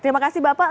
terima kasih bapak